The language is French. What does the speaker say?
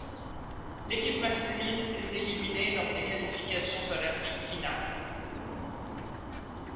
L'équipe masculine est éliminée lors des qualifications olympiques finales.